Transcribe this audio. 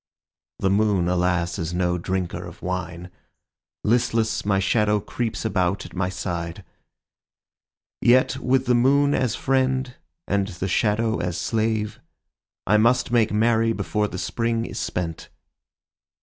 The moon, alas, is no drinker of wine; Listless, my shadow creeps about at my side. Yet with the moon as friend and the shadow as slave I must make merry before the Spring is spent.